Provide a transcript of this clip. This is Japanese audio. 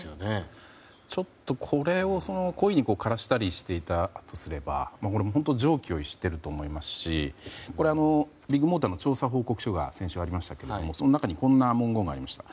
ちょっと、これを故意に枯らしたりしていたとすれば本当に常軌を逸していると思いますしビッグモーターの調査報告書が先週ありましたけどその中にこんな文言がありました。